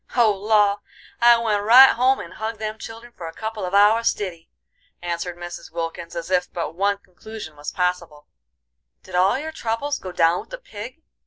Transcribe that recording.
"Oh, law! I went right home and hugged them children for a couple of hours stiddy," answered Mrs; Wilkins, as if but one conclusion was possible. "Did all your troubles go down with the pig?"